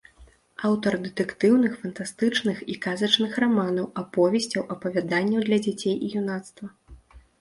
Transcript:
Аўтар дэтэктыўных, фантастычных і казачных раманаў, аповесцяў, апавяданняў для дзяцей і юнацтва.